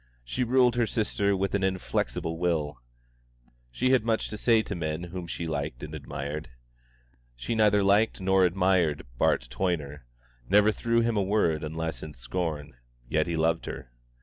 She ruled her sister with an inflexible will. She had much to say to men whom she liked and admired. She neither liked nor admired Bart Toyner, never threw him a word unless in scorn; yet he loved her.